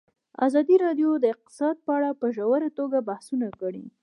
ازادي راډیو د اقتصاد په اړه په ژوره توګه بحثونه کړي.